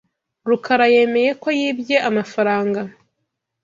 Rukara yemeye ko yibye amafaranga.